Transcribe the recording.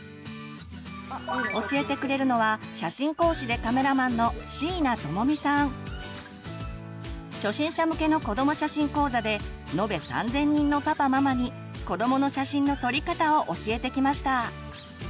教えてくれるのは初心者向けの子ども写真講座で延べ３，０００人のパパママに子どもの写真の撮り方を教えてきました。